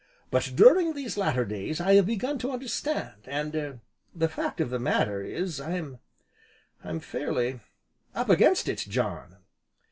But during these latter days, I have begun to understand, and er the fact of the matter is I'm I'm fairly up against it, John!"